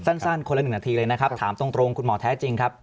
สั้นคนละ๑นาทีเลยนะครับถามตรงคุณหมอแท้จริงครับ